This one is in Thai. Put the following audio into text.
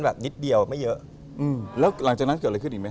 ใช่แล้วยังไง